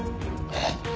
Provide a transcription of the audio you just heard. えっ？